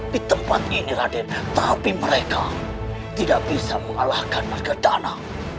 di tempat ini raden tapi mereka tidak bisa mengalahkan marga danau